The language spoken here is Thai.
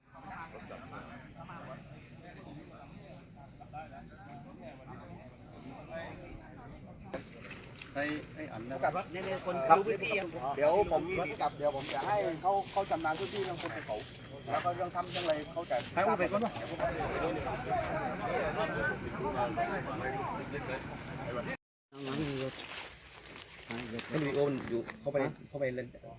สวัสดีครับคุณผู้ชม